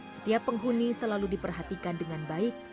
setiap penghuni selalu diperhatikan dengan baik